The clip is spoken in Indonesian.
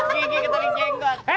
gigi keteling jenggot